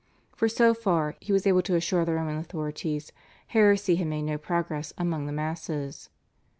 For so far, he was able to assure the Roman authorities, heresy had made no progress among the masses.